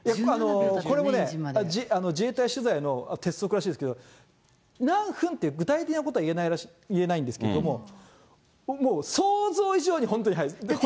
これもね、自衛隊取材の鉄則らしいですけど、何分って具体的なことは言えないんですけれども、もう想像以上に本当に早い。